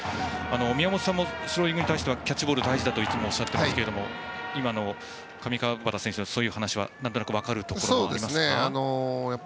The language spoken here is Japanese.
宮本さんもスローイングに対してはキャッチボールが大事だとおっしゃいますが上川畑選手のそういう話はなんとなく分かりますか？